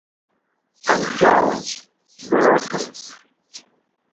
امکیاں اݩڅ بعاسوم